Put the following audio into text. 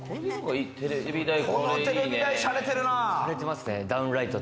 このテレビ台、シャレてるな。